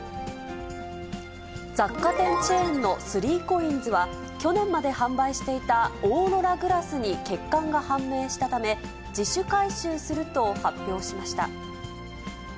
雑貨店チェーンの３ＣＯＩＮＳは、去年まで販売していたオーロラグラスに欠陥が判明したため、自主回収すると発表しました。